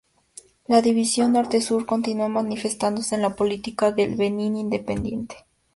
La división norte-sur continúa manifestándose en la política del Benín independiente.